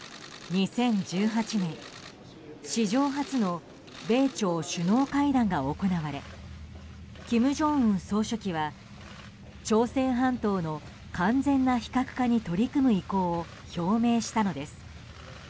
２０１８年、史上初の米朝首脳会談が行われ金正恩総書記は朝鮮半島の完全な非核化に取り組む意向を表明したのです。